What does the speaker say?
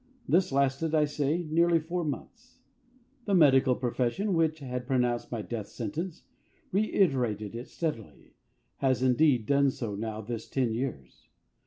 This lasted, I say, nearly four months. The medical profession, which had pronounced my death sentence, reiterated it steadily has, indeed, done so now this ten years.